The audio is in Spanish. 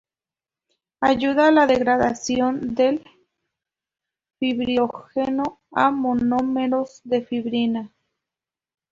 Ayuda a la degradación del fibrinógeno a monómeros de fibrina.